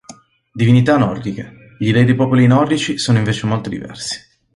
Divinità nordiche: Gli dèi dei popoli nordici sono invece molto diversi.